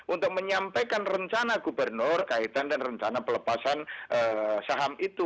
untuk menyampaikan rencana gubernur kaitan dan rencana pelepasan saham itu